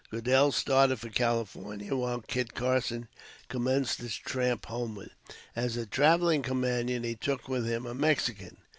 Goodel started for California, while Kit Carson commenced his tramp homeward. As a traveling companion, he took with him a Mexican.